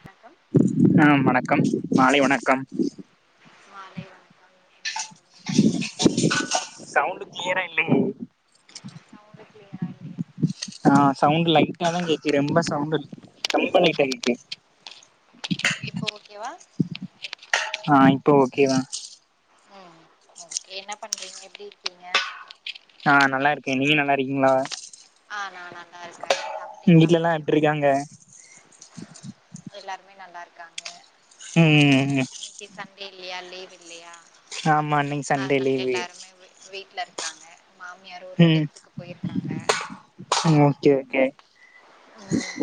வணக்கம் ஆ வணக்கம் மாலை வணக்கம் மாலை வணக்கம் என்ன பண்றீங்க எப்டி இருக்கீங்க சவுண்டு கிளியரா இல்லைங் சவுண்டு இல்லையா நீங்க ஆ சவுண்டு லைட்டா தா கேக்குது ரொம்ப சவுண்டு இல் ரொம்ப லைட்டா கேக்கு இப்போ ஓகேவா ஆ இப்போ ஓகேதா ம் ஓகே என்ன பண்றீங்க எப்டி இருக்கீங்க நா நல்லா இருக்கே நீங்க நல்லா இருக்கீங்ளா ஆ நா நல்லா இருக்கே சாப்ட்டீங்களா வீட்ல எல்லா மதியோ எப்டி இருக்காங்க எல்லாருமே நல்லா இருக்காங்க ம் ம் அங்க இன்னைக்கு சண்டே இல்லையா லீவு இல்லையா ஆமா இன்னைக்கு சண்டே லீவு வீட்டுல இருக்காங்க மாமியார் ஒரு டெத்துக்கு போயிருக்காங்க அம் ஓகே ஓகே ம்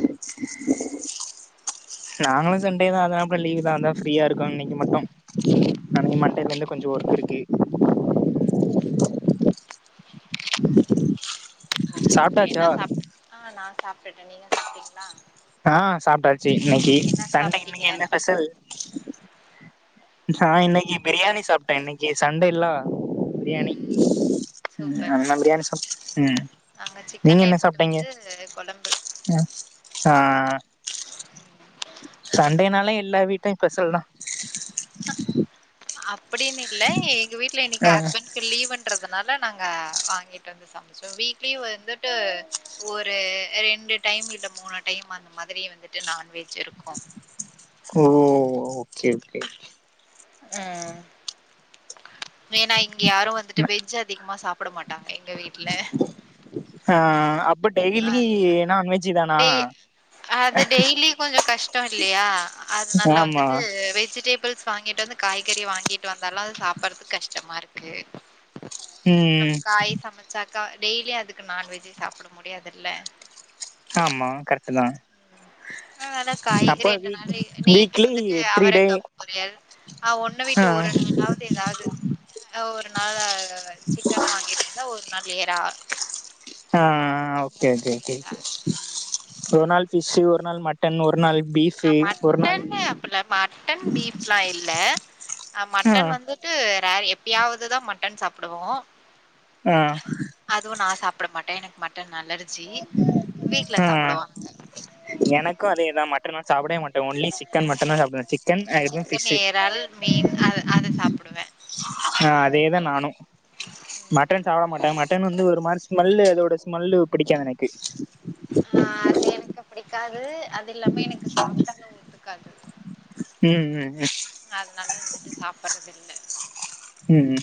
நாங்களு சண்டே தா அதுனாப்புல லீவுதா அதா ஃப்ரீயா இருக்குன் இன்னைக்கு மட்டும் நாளைக்கி மண்டேயில இருந்து கொஞ்சோ ஒர்க் இருக்கு ஓகே ஓகே சாப்ட்டாச்சா என்ன சாப்ட் ஆ நா சாப்டுட்டே நீங்க சாப்ட்டீங்ளா ஆ சாப்ட்டாச்சு இன்னைக்கி சண்டே சாப்ட்டீங்க இன்னைக்கி என்ன ஸ்பெசல் நா இன்னைக்கி பிரியாணி சாப்ட்டே இன்னைக்கி சண்டே இல்லா ம் பிரியாணி ம் ம் சூப்பர் அதெல்லா சூப்பர் பிரியாணி சாப் ம் நாங்க சிக்கன் எடுத்துட்டு வந்து கொழம்பு அ சார் சண்டேனால எல்லா வீட்டுலயு பெசல் தா அப்புடின்னு இல்ல எங்க வீட்டுல இன்னைக்கு ஆ ஹஸ்பண்ட் க்கு லீவுன்றதுனால நாங்க வாங்கிட்டு வந்து சமைச்சோ வீக்லி வந்துட்டு ஒரு ரெண்டு டைம் இல்ல மூணு டைம் அந்த மாதிரி வந்துட்டு நான்வெஜ் இருக்கு ஓ ஓ ஓகே ஓகே ம் வேன்னா இங்க யாரு வந்துட்டு வெஜ் அதிகமா சாப்புட மாட்டாங்க எங்க வீட்ல ஆ ஆ அப்ப டெய்லி அது நான்வெஜ்ஜு தானா கொஞ்சோ கஷ்டோ இல்லையா அதுனால ஆமா வந்துட்டு வெஜு டேபிள்ஸ் வாங்கிட்டு வந்து காய்கறிய வாங்கிட்டு வந்தாலு அது சாப்புறதுக்கு கஷ்டமா இருக்கு நம்ம ம் காய் சமைச்சாக்கா டெய்லியு அதுக்கு நான்வெஜ்ஜு சாப்புட முடியாதுல்ல ஆமா கரெக்ட்டு தா ஆ அதா காய்கறி அப்ப ரெண்டு வீக் நாள் நேத்து வீக்லி வந்துட்டு த்ரீ டே அவரைக்கா பொரியல் ஆ ஒன்னு ஆ விட்டு ஒரு நாள். தாவது எதாவது அ ஒரு நாளு சிக்கன் வாங்கிட்டு வந்தா ஒரு நாள் எறா அ அ அ அந்த ஓகே ஓகே மாதிரி ஓகே ஓகே. ஏதாவது ம் ஒரு நாள் ஃபிஷு ஒரு நாள் மட்டன் ஒரு நாள் அ பீஃபு ஒரு நாள் மட்டன்னு அப்பல மட்டன் பீஃப்லா இல்ல அ ஆ மட்டன் வந்து ட்டு ரே எப்பயாவ்துதா மட்டன் சாப்புடுவோ. அ. அதுவு நா சாப்பட மாட்டே எனக் மட்டன் அலர்ஜி வீட்ல ஆ சாப்புடுவாங்க. எனக்கு அதேதா மட்டன் நா சாப்படவே மாட்டே ஒன்லி சி கன் மட்டுந்தா சாப்டுவே சிக்கன் அ எப்மே சிக்கன், ஃபிஷு. இறால், மீன் அது அது சாப்டுவே ஆ அதேதா நானு. ம் மட்டன் சாப்பட மாட்டே மட்டன் வந்து ஒரு மாரி ஸ்மல்லு அதோட ஸ்மல்லு பிடிக்காது எனக்கு. ஆ அது எனக்கு பிடிக்காது. அது இல்லாம எனக்கு சாப்ட்டாலு ஒத்துக்காது. ம் ம் ம். ம் அதுனால வந்துட்டு சாப்பட்றது இல்ல. ம் ம்.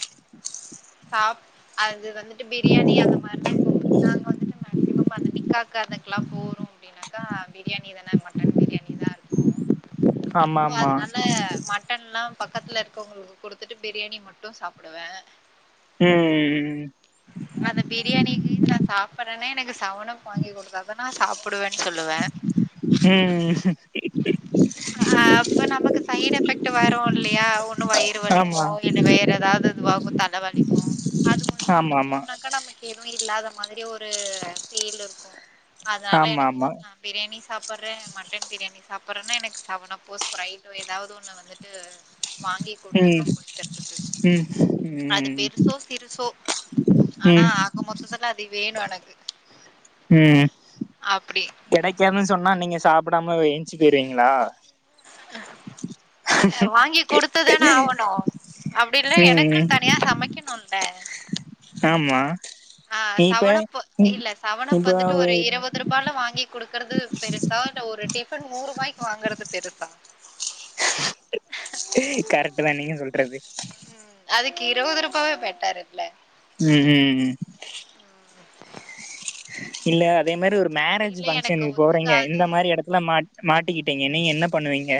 சாப் அது வந்து ட்டு பிரியாணி அந்த மார்லா இங்கும் நாங்க வந்துட்டு மேக்சிமம் அந்த நிக்காக்கு அதுக்லாம் போறோ அப்டின்னாக்கா பிரியாணிதான மட்டன் பிரியாணிதா இருக்கு. ம் ஆமா ஃபோ ஆமா அதுனால மட் ட்டன்ல்லா பக்கத்ல இருக்கவங்களுக்கு குடுத்துட்டு பிரியாணி மட்டு சாப்புடுவே. ம் ம். ம் ம். அந்த பிரியாணியகீது நா சாப்பட்றனா எனக்கு சவனப் வாங்கி குடுத்தாதா நா சாப்புடுவன் சொல்லுவே. ம் ம். அ அ அப்ப நமக்கு சைட் எஃபெக்ட் வரு இல்லையா ஒன்னு வயிறு வலிக்கு ஆமா இல்ல வேற எதாவது இது வ வு தலவலிக்கு அது கொஞ்சோ ஆமா ஆமா ஆமா குடிச்சம்னா க்கா நமக் எதுவு இல்லாத மாதிரி ஒரு ஃபீல் இருக்கு அதுனால எனக்கு ஆமா [inaudible] பிரியாணி சாப்பர்றே மட்டன் பிரியாணி சாப்பர்றன்னா எனக்கு சவனப்போ ஸ்ப்ரைடோ எதாவது ஒன்னு வந்துட்டு ட்டு வாங்கி குடுத்துர்ணு ம் குளிக்கறதுக்கு ம் அது ம் சோ சிறுசோ ஆனா ம் ஆக மொத்தத்துல அது வேணு எனக்கு. ம். அப்டி. கெடைக்காதுனு சொன்னா நீங்க சாப்படாம வ என்ச்சு போயிருவிங்ளா? அ அ வாங்கி குடுத்துதான ஆவணு அப்டி இல்னா ம் எனக்குன் தனியா சமைக்கணுல்ல. ஆமா. ஆ இப்ப சவனப்பு இல்ல சவனப் இப்ப வந்துட்டு ஒரு இரவ துருபால வாங்கி குடுக்கறது பெருசா இல்ல ஒரு டிஃபன் நூறுபாய்க்கு வாங்கறது பெருசா. கரெக்ட்டுதா நீங்க சொல்றது. ம் அதுக்கு இரவதுருபாவே பெட்டர் இல்ல. ம் ம் ம் ம். இல்ல அதே மாரி ஒரு அப்டி மேரேஜு இல்ல எனக்கு பங்க்ஷன்கு போறீங்க ஒத்துக்காது இந்த மாரி எடத்துல மாட் மாட்டிக்கிட்டீங்க நீங்க என்ன பண்ணுவீங்க?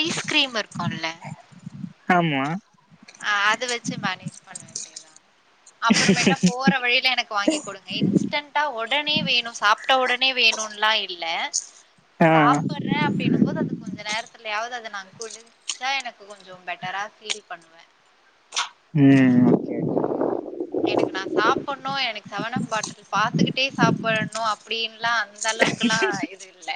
ஐஸ்கிரீம் இருக்கோல ஆமா அ அது வச்சு மேனேஜ் பண்ண வேண்டியதா அப்றோமேட்டா போற வழியில எனக்கு வாங்கி குடுங் இன்ஸ்டன்டா ஒடனே வேணு சாப்ட்ட ஒடனே வேணுன்ல்லா இல்ல ஆ சாப்புற அப்டின்னும் போது அது கொஞ்ச நேரத்துலயாவ்து அத நா குடிச்சா எனக்கு கொஞ்சொ பெட்டரா ஃபீல் பண்வே ம் எனக்கு நா சாப்புன்னோ எனக்கு சவணப் பாட்டில் பாத்துக்கிட்டே சாப் பன்னோ அப்டின்லா அந்த அளவுக்குல்லா இது இல்ல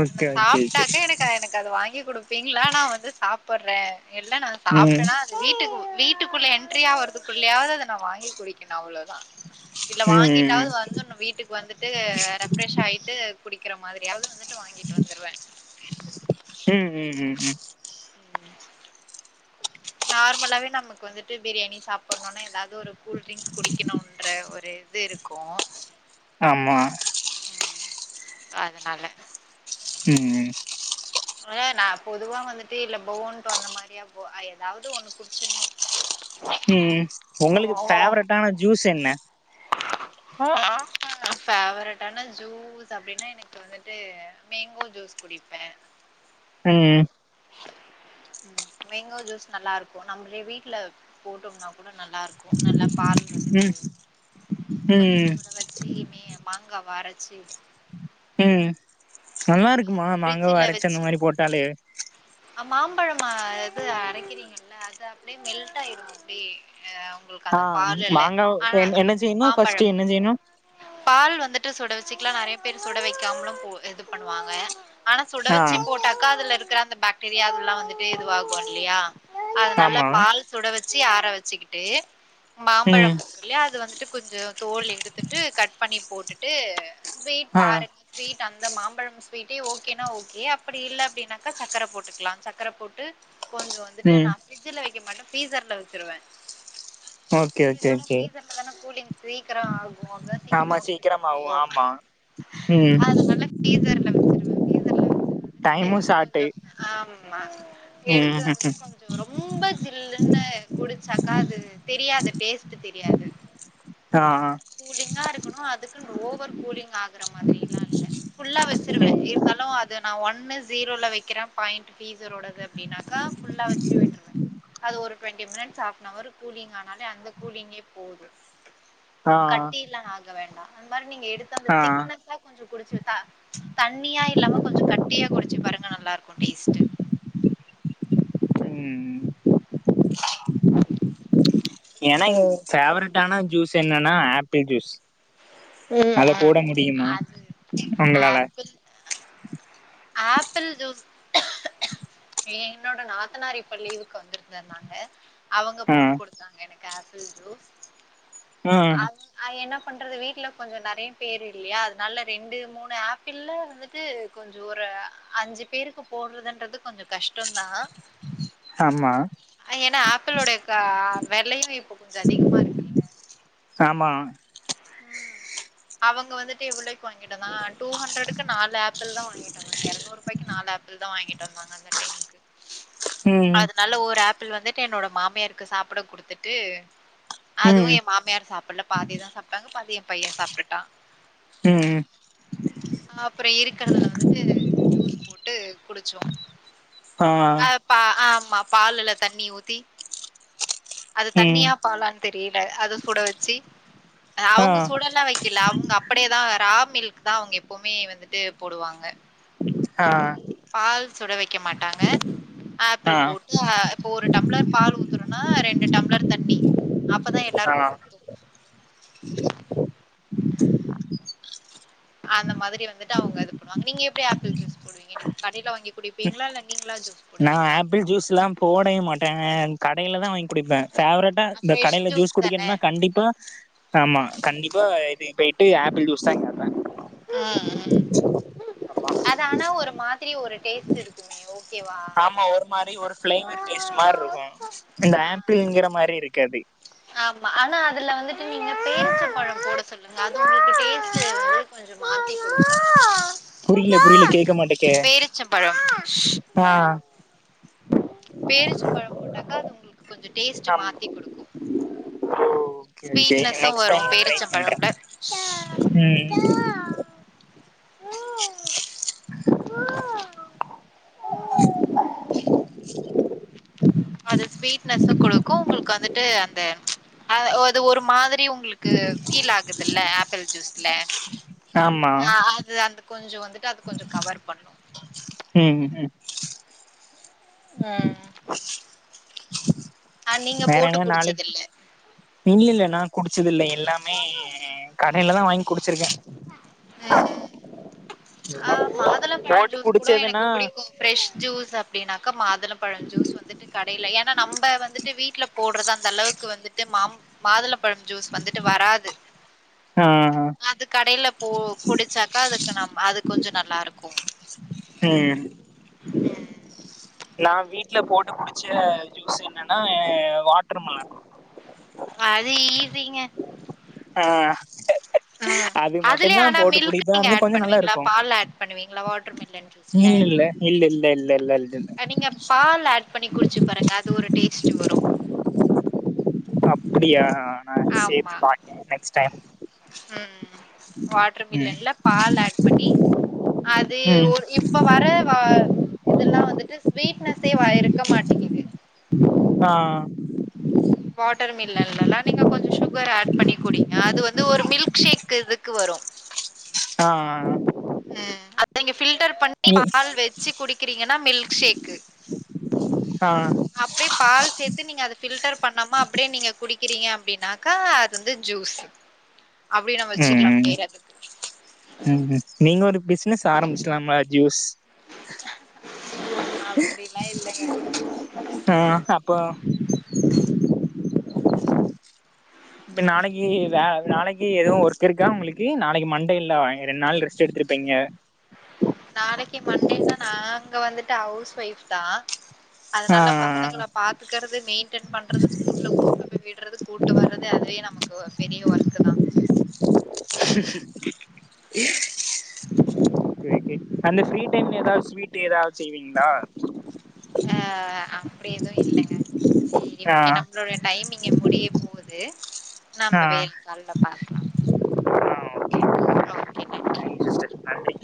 ஓகே ஓகே ஓகே ஓகே சாப்டாக்கா எனக்கு எனக்கு க்கு அத வாங்கி குடுப்பீங்ளா நா வந்து சாப்புட்றே இல்ல நா ம் சாப்ட்டேனா வீட்டுக்கு வீட்டுக்குள்ள என்ட்ரியா வறதுக்குள்ளயாவ்து அத நா வாங்கி குடிக்கினு அவ்ளோதா இல்ல ம் ம் வாங்கிட்டாவ்து வந்துர்னு ஒ வீட்டுக்கு வந்துட்டு ரெஃப்ரெஷ் ஆயிட்டு குடிக்கிற மாதிரியாவ்து வந்துட்டு வாங்கிட்டு வந்துருவ ம் ம் ம் ம் நார்மலாவே நமக்கு வந்துட்டு பிரியாணி சாப்புணுன்னா எதாவ்து ஒரு கூல் டிரிங்க்ஸ் குடிக்கிணோன்ற ஒரு இது இருக்கூ ஆமா ஸோ அதனால ம் நா பொதுவா வந்துட்டு இல்ல பவோன்ட்டோ அந்த மாதிரியா போ எதாவ்து ஒண்ணு குடிச்சிட்ணு ம் ஒங்களுக்கு ஃபேவரட்டான ஜூஸ் என்ன [unintelligible] ஃபேவரட்டானா ஜூஸ் அப்டின்னா எனக்கு வந்துட்டு மேங்கோ ஜூஸ் குடிப்பே ம் ம் மேங்கோ ஜூஸ் நல்லா இருக்கூ நம்மளே வீட்ல போட்டோம்னா கூட நல்லா இருக்கூ நல்லா பால் வந்துட்டு ம் கொஞ்சொ ம் சுட வச்சி சி மே மாங்காவ அரச்சி ம் நல்லாருக்குமா அது மாங்காவ ஃப்ரிட்ஜ்ல அரச்சி அந்த வச்சு மாரி போட்டாலே அ மாம்பழமா அது அரைக்கிறீங்கல்ல அது அப்டியே மெல்ட் ஆயிடு அப்டியே அவுங்களுக்கு ஆ அந்த பாலுல மாங்காவ ஆனா என் என்ன செய்யணு ஃபர்ஸ்ட் மாம்பழம் என்ன செய்யணு பால் வந்துட்டு சுட வச்சுக்லா நறைய பேர் சுட வைக்காமலும் போ இது பண்ணுவாங்க ஆனா சுட ஆ வச்சு போட்டாக்கா அதுல இருக்கிற அந்த பாக்டீரியால்லா வந்துட்டு இதுவா கோ இல்லயா அது நல்ல ஆமா பால் சுட வச்சி ஆற வச்சிக்கிட்டு மாம்பழம் ம் வந் இல்லையா அது வந்துட்டு கொஞ்சொ தோல் எடுத்துட்டு கட் பண்ணி போட்டுட்டு ஸ்வீட் ஆ பாருங்க ஸ்வீட் அந்த மாம்பழம் ஸ்வீடே ஓகேனா ஓகே அப்படி இல்ல அப்படினாக்கா சக் க்கர போட்டுக்லா சக்கர போட்டு கொஞ்சொ வந்துட்டு ம் நா பிரிட்ஜில் வைக்க மாட்டே ஃப்ரீசர்ல வச்சுருவே ஓகே ஃப்ரிட்ஜ ஓகே விட ஓகே ஃப்ரீசர்ல தான கூலிங் சீக்கிரொ ஆகு அதா சீக்கிரமா கூ சீக்கிறமாவு ஆமா ம் ஃபீரீசர்ல வச்சிருவ ஃபீரீசர்ல வச் டைமு சாட்டு ஆமா எடுத்து வந்துட்டு கொஞ்சோ ரொம்ப ஜில்லுன்னு குடிச்சாக்கா அது தெரியாது டேஸ்டு தெரியாது ஆ கூலிங்கா இருக்கணோ அதுக்கு ஓவர் கூலிங் ஆகுற மாதிரி எல்லா இல்ல ஃபுல்லா வச்சுருவ இருந்தாலு அது நான் ஒன்னு ஜீரோல வக்கிற பாயிண்ட் ப்ரீஸ்ரோடது அப்டின்னா கா ஃபுல்லா வெச்சு விட்ருவ அது ஒரு டுவெண்ட்டி மினிட்ஸ் ஆஃப்னவர் கூலிங் ஆனாலே அந்த கூலிங்கே போது ஆ கட்டிலா ஆக வேண்டா அந்த மாரி நீங்க எடுத்த அந்த ஆ திக்னஸா கொஞ்சோ குடிச்சு தா தண்ணியா இல்லாம கொஞ்சோ கட்டியா குடிச்சு பாருங்க நல்லா இருக்கோ டேஸ்ட்டு ம் ஏனா ஓ ஃபேவரட்டான ஜூஸ் என்னன்னா ஆப்பிள் ஜூஸ் ம் அத ம் போட முடி முடிமா அது உங்களால ஆப்பிள் ஆப்பிள் ஜூஸ் என்னோட நாத்தனார் இப்ப லீவுக்கு வந்திருந்தாங்க அவுங்க ஆ போட்டு குடுத்தாங்க எனக்கு ஆப்பிள் ஜூஸ் ம் அது என்ன பண்றது வீட்ல கொஞ்ச நெறைய பேர் இல்லையா அதனால ரெண்டு மூணு ஆப்பிள்ல வந்து கொஞ்சோ ஒரு அஞ்சு பேருக்கு போட்றதுன்றது கொஞ்சோ கஷ்டோ தா ஆமா ஏன்னா ஆப்பிளோடைய வெலையு இப்ப கொஞ்ச அதிகமா இருக்கு ஆமா ம் அவுங்க வந்துட்டு இவ்ளோக்கு வாங்கிட்ட வந்தாங்க டூ ஹண்ட்ரடுக்கு நாலு ஆப்பிள் தா வாங்கிட்டு வந்தாங்க இறநூறு ரூபாய்க்கு நாலு ஆப்பிள் தா வாங்கிட்டு வந்தாங்க அந்த டைமுக்கு ம் அதனால ஒரு ஆப்பிள் வந்துட்டு என்னோட மாமியாருக்கு சாப்பட குடுத்துட்டு அதுவு ம் என் மாமியார் சாப்பட்ல பாதிதா சாப்ட்டாங்க பாதி என் பையன் சாப்டுட்டா ம் ம் அப்ற இருக்குறதுல வந்துட்டு ஜூஸ் போட்டு குடிச்சோ ஆ ஆ ஆமா பாலுல தண்ணி ஊத்தி அது ம் தண்ணியா பாலான் தெரில அத சுட வச்சு ஆ அவுங்க சுடெல்லா வைக் கில அவுங்க அப்டியேதா ரா மில்க் தா அவுங்க எப்போமே வந்துட்டு போடுவாங்க ஆ பால் சுட வெக்க மாட்டாங்க ஆப்பிள் ஆ போட்டு இப்போ ஒரு டம்ளர் பால் ஊத்துறோனா ரெண்டு டம்ளர் தண்ணி அப்பதா எல்லாருக்கு ஆ பத்து அந்த மாதிரி வந்துட்டு அவுங்க அது பண்ணுவாங்க நீங்க எப்டி ஆப்பிள் ஜூஸ் போடுவீங்க நீங்க கடைல வாங்கி குடிப் பீங்ளா இல்ல நீங்ளா நா ஆப்பிள் ஜூஸ்லா போடவே மாட்ட கடையில தா வாங்கி குடிப்ப ஃபேவரட்டா இந்த ஃப்ரெஷ் கடையில ஜூஸ் தானே குடிக்கணுனா கண்டிப்பா ஆமா கண்டிப்பா இது போயிட்டு ஆப்பிள் ஜூஸ் தா கேப்ப ம் ம் அது ஆனா ஒரு மாதிரி ஒரு டேஸ்ட் இருக்குமே ஓகேவா ஆமா ஒரு மாரி ஒரு மார் இருக்கு இந்த ஆ ஆப்பிள்ங்கிற மாரி இருக்காது ஆமா ஆனா அதுல வந்துட்டு நீங்க பேரிசப் பழம் போட சொல்லுங்க அது உங்களுக்கு டேஸ்ட்டு கொஞ்ச மாத்தி குடுக்கு கேக்க மாட்டகே பேரிச்சம்பழம் ஆ பேரிச்சம் பழம் போட்டாக்கா அது உங்ளுக்கு கொஞ்சோ டேஸ்டு ஆம் மாத்தி குடுக்கு ஓகே ஓகே ஸ்வீட்னஸு நெக்ஸ்ட் வரு டைம் நா ட்ரை பண்றே பேரிச்சம்பழம்ல ம் அது ஸ்வீட்னஸு குடுக்கு உங்ளுக்கு வந்துட்டு அந்த அ அது ஒரு மாதிரி உங்களுக்கு பீல் ஆகுதுல்ல ஆப்பிள் ஜூஸ்ல ஆமா ஆ அது அந்த கொஞ்சோ வந்துட்டு அது கொஞ்சோ கவர் பண்ணு ம் ம் ம் ஆ நீங்க வேற போட்டு எங்க நாளைக் குடிச்சதில்ல இல்ல இல்ல நா குடிச்சது இல்ல நா குடிச்சது இல்ல எல்லாமே கடையிலதா வாங்கி குடிச்சிருக்கே ம் ஆ மாதுள பழம் போட்டு ஜூஸ் கூட குடிச்சதுன்னா எனக்கு புடிக்கு ப்ரெஷ் ஜூஸ் அப்படின்னாக்கா மாதுளப்பழம் ஜூஸ் வந்துட்டு கடையில ஏன்னா நம்ம வந்துட்டு வீட்ல போட்றது அந்த அளவுக்கு வந்து மா மாதுளம்பழம் ஜூஸ் வந்துட்டு வராது ஆ அது கடையில போ குடிச்சாக்கா அதுக்கு நம் அது கொஞ்சோ நல்லா இருக்கு ம் ம் நா வீட்ல போட்டு குடிச்ச ஜூஸ் என்னன்னா வாட்ருமெலன் அது ஈசிங்க அ ம் அது அதுலயே மட்டுதா ஆனா போட்டு மில்க் குடிப்ப ஆன நீங்க அது ஆட் கொஞ்சோ நல்லா பண்ணுவீங்களா இருக்கு பால்ல ஆட் பண்ணுவீங்களா வாட்டர் மில்லன் ஜூஸ்ல இல்லல்ல இல்ல இல்ல இல்ல இல்ல இல் இல் அ நீங்க பால் ஆட் பண்ணி குடிச்சு பாருங்க அது ஒரு டேஸ்ட்டு வரு அப்புடியா நா ஆமா சேத்து பாக்கே நெக்ஸ்ட் டைம் ம் வாட்டர் ம் மில்லன்ல பால் ஆட் பண்ணி அது ம் இப்போ வர வ இதுல்லா வந்துட்டு ஸ்வீட்னஸே வ இருக்க மாட்டேங்குது அ வாட்டர் மில்லன்லல்லா நீங்க கொஞ்சோ சுகர் ஆட் பண்ணி குடிங்க அது வந்து ஒரு மில்க் ஷேக் இதுக்கு வரு அ அ ம் அப்ப நீங்க பில்டர் பண்ணி நீ பால் வச்சு குடிக்குறீங்கன்னா மில்க் ஷேக்கு அ அப்டியே பால் சேத்து நீங்க அது பில் பில்டர் பண்ணாம அப்டியே நீங்க குடிக்கிறீங்க அப்படினாக்கா அது வந்து ஜூஸ் அப்டி நம்ம வச்சுக்கலா ம் பேர் அதுக்கு ம் நீங்க ஒரு பிசினஸ் ஆரம்பிச்சிட்லாம ஜூஸ் அப்டிலா இல்லங்க அ ப்பா இப்ப நாளைக்கு வே நாளைக்கு எதுவு ஒர்க் இருக்கா உங்களுக்கு நாளைக்கு மண்டே இல்ல ரெண்டு நாள் ரெஸ்ட் எடுத்திருப்பீங்க நாளைக்கு மண்டேன்னா நாங்க வந்துட்டு ஹவுஸ் ஒயிஃப் தா அதனால ஆ பசங்கள பாத்துக்கறது மெயின்டெய்ன் பண்றது ஸ்கூல்ல கூ ட்டு போய் விட்றது கூட்டு வர்றது அதுவே நமக்கு பெரிய ஒர்க்கு தா [unintelligible] இ அந்த ஃப்ரீ டைம்ல எதாச்சு வீட்டே எதாச்சு செய்வீங்ளா அ அப்டி எதுவு இல்லங்க சேரி ஆ ஓகே நம் என்னுடைய டைமிங்க முடிய போகுது ஆ ஆ நம்ம வேலை கால்ல பாக்லாம் ஓகே நன்றி ஓகே சிஸ்டர் நன்றி